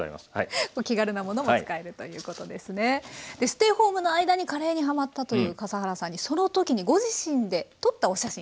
ステイホームの間にカレーにハマったという笠原さんにその時にご自身で撮ったお写真